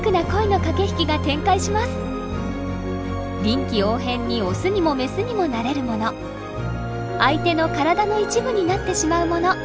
臨機応変にオスにもメスにもなれるもの相手の体の一部になってしまうもの。